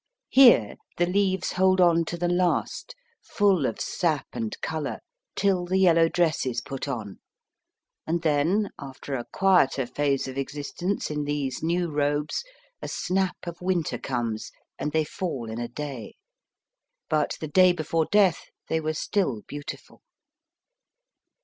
Here the leaves hold on to the last, full of sap and colour, till the yellow dress is put on, and then, after a quieter phase of existence in these new robes, a snap of winter comes, and they fall in a day. But the day before death they were still beautiful.